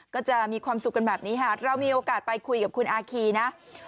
ก็จะมีความสุขกันแบบนี้ค่ะเรามีโอกาสไปคุยกับคุณอาคีนะ